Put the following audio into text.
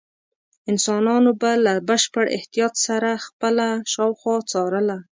انسانانو به له بشپړ احتیاط سره خپله شاوخوا څارله.